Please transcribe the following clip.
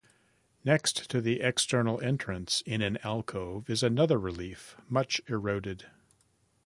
Next to the external entrance, in an alcove, is another relief, much eroded.